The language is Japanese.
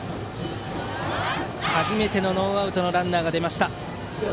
初めてのノーアウトのランナーが出ました。